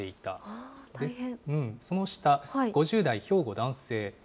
その下、５０代、兵庫、男性。